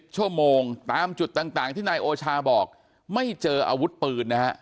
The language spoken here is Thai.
ชั่วโมงตามจุดต่างที่นายโอชาบอกไม่เจออาวุธปืนนะฮะ